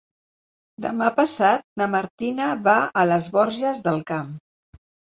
Demà passat na Martina va a les Borges del Camp.